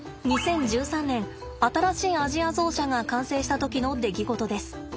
２０１３年新しいアジアゾウ舎が完成した時の出来事です。